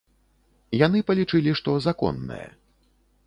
Яны палічылі, што законнае.